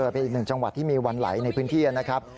เป็นอีกหนึ่งจังหวัดที่มีวันไหลในพื้นที่นะครับ